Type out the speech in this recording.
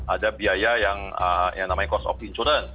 ada biaya yang namanya cost of insurance